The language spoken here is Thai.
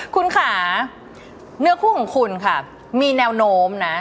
คุณค่ะเนื้อคู่ของคุณค่ะมีแนวโน้มนะ